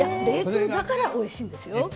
冷凍だからおいしいんですよ。